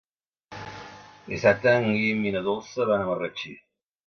Dissabte en Guim i na Dolça van a Marratxí.